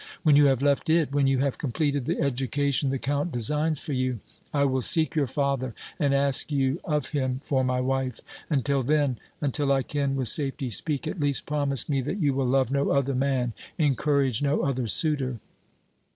When you have left it, when you have completed the education the Count designs for you, I will seek your father and ask you of him for my wife; until then, until I can with safety speak, at least promise me that you will love no other man, encourage no other suitor."